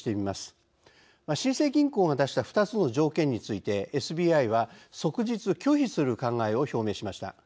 新生銀行が出した２つの条件についてＳＢＩは即日拒否する考えを表明しました。